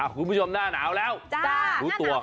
คุณผู้ชมหน้าหนาวแล้ว